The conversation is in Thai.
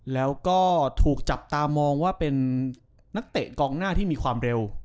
แล้วก็ถูกจับตามองว่าเป็นนักเตะกองหน้าที่มีความเร็ว